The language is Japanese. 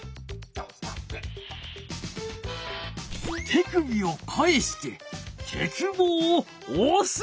手首を返して鉄棒をおす。